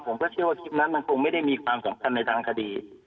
ผมก็เชื่อว่าคลิปนั้นมันคงไม่ได้มีความสำคัญในทางคดี